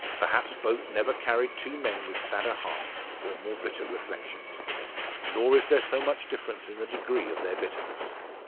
Perhaps boat never carried two men with sadder hearts, or more bitter reflections. Nor is there so much difference in the degree of their bitterness.